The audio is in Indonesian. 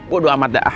bodo amat dah